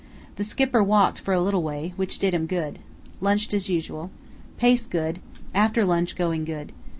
The Skipper walked for a little way, which did him good. Lunched as usual. Pace good. After lunch going good.